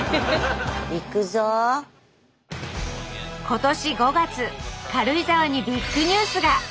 今年５月軽井沢にビッグニュースが。